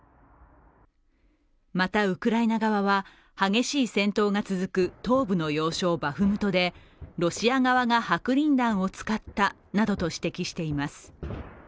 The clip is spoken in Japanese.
またウクライナ側は、激しい戦闘が続く東部の要衝バフムトでロシア側が白リン弾を使ったなどと指摘しています。